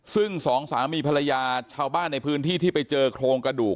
ซึ่งสองสามีภรรยาชาวบ้านในพื้นที่ที่ไปเจอโครงกระดูก